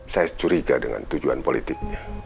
saya curiga dengan tujuan politik